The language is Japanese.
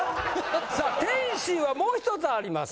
さあ天心はもうひとつあります。